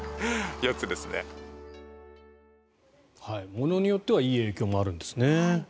ものによってはいい影響もあるんですね。